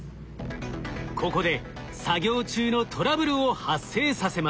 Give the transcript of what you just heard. ここで作業中のトラブルを発生させます。